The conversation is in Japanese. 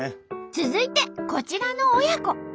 続いてこちらの親子。